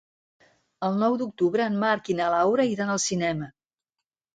El nou d'octubre en Marc i na Laura iran al cinema.